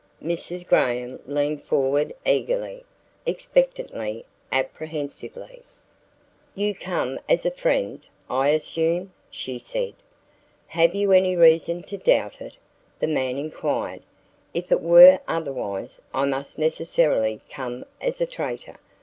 Mrs. Graham leaned forward eagerly, expectantly, apprehensively. "You come as a friend, I assume," she said. "Have you any reason to doubt it?" the man inquired. "If it were otherwise, I must necessarily come as a traitor.